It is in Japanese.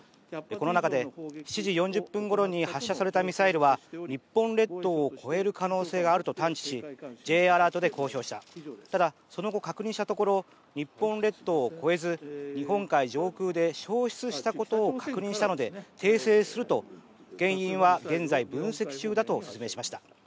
この中で７時４０分ごろに発射されたミサイルは日本列島を越える可能性があると探知しＪアラートで公表したただその後確認したところ日本列島を越えず日本海上空で消失したことを確認したので訂正すると原因は現在、分析中だと説明しました。